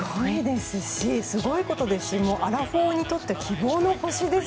すごいことですしアラフォーにとって希望の星です。